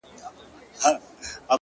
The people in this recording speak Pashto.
د لېوني د ژوند سُر پر یو تال نه راځي!!